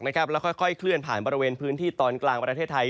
แล้วค่อยเคลื่อนผ่านบริเวณพื้นที่ตอนกลางประเทศไทย